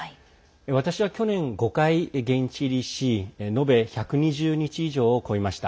私は去年５回、現地入りし延べ１２０日以上を超えました。